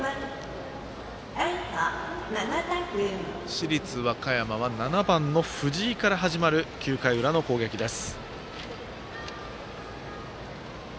市立和歌山は、７番の藤井から始まる９回裏の攻撃です。